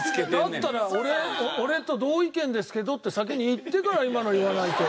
だったら俺と同意見ですけどって先に言ってから今の言わないと。